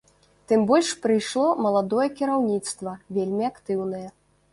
Тым больш прыйшло маладое кіраўніцтва, вельмі актыўнае.